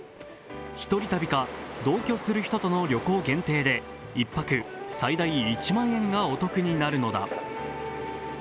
１人旅か同居する人との旅行限定で１泊最大１万円がお得になるのだ。